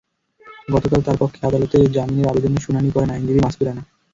গতকাল তাঁর পক্ষে আদালতে জামিনের আবেদনের শুনানি করেন আইনজীবী মাসুদ রানা।